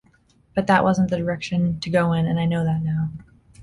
But that wasn't the direction to go in, and I know that now.